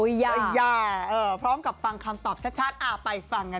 อย่าพร้อมกับฟังคำตอบชัดไปฟังกัน